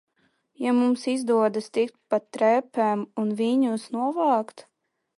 Ja mums izdodas tikt pa trepēm un viņus novākt?